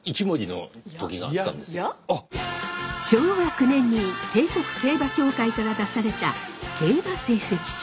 昭和９年に帝国競馬協会から出された競馬成績書。